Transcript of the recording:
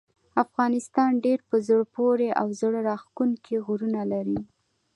افغانستان ډیر په زړه پورې او زړه راښکونکي غرونه لري.